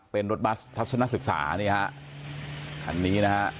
เป็นรถบัสทัศนศึกษานี่ฮะคันนี้นะฮะ